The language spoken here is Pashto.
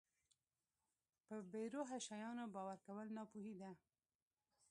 په بې روحه شیانو باور کول ناپوهي ده.